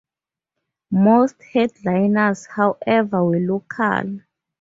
Most headliners, however, were local.